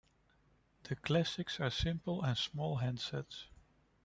The Classics are simple and small handsets.